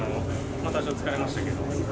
多少疲れましたけど。